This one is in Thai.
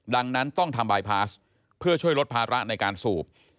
ดังนั้นต้องทำบายพาสเพื่อช่วยลดภาระในการสูบ